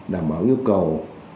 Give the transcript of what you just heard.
đảm bảo yêu cầu